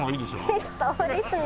そうですね。